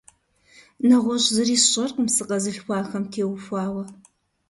НэгъуэщӀ зыри сщӀэркъым сыкъэзылъхуахэм теухуауэ.